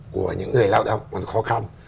của những người lao động còn khó khăn